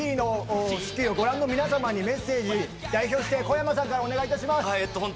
最後に『スッキリ』をご覧の皆様にメッセージ、代表して、こやまさんからお願いいたします。